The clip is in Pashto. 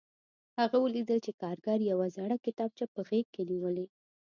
هغه ولیدل چې کارګر یوه زړه کتابچه په غېږ کې نیولې